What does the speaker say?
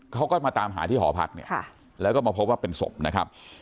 เขาก็มาตามหาที่หอพักเนี่ยแล้วก็มาพบว่าเป็นศพนะครับ